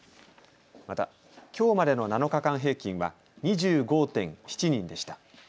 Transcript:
また、きょうまでの７日間平均は２５．７人でした。